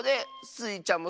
スイちゃんも？